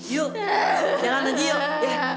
yuk jangan lanjut yuk